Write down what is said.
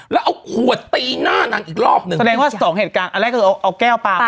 แล้วเอาขวดตีหน้านางอีกรอบหนึ่งแสดงว่าสองเหตุการณ์อันแรกคือเอาแก้วปลา